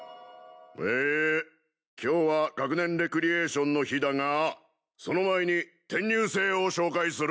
ええ今日は学年レクリエーションの日だがその前に転入生を紹介する。